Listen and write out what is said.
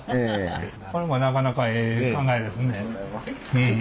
これもなかなかええ考えですね。